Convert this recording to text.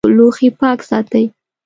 جامې او د خوړو لوښي پاک ساتئ.